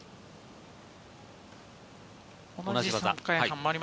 同じ技。